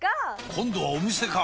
今度はお店か！